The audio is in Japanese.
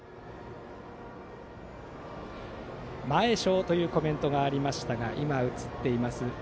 前商というコメントがありましたが今、映っています